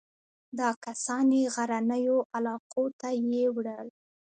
دا کسان یې غرنیو علاقو ته یووړل.